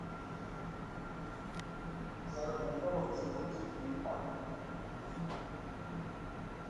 They are a member of the European Green party.